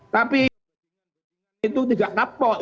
tapi itu tidak kapok